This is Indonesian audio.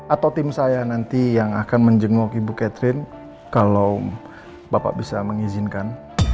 atau tim saya nanti yang akan menjenguk ibu catherine kalau bapak bisa mengizinkan